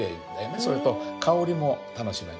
それと香りも楽しめる。